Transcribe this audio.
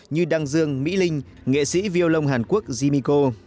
như đăng dương mỹ linh nghệ sĩ violon hàn quốc jimiko